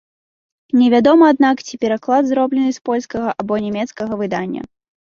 Невядома, аднак, ці пераклад зроблены з польскага або нямецкага выдання.